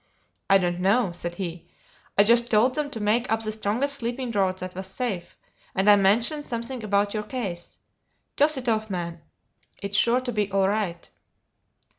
"I don't know," said he. "I just told them to make up the strongest sleeping draught that was safe, and I mentioned something about your case. Toss it off, man; it's sure to be all right."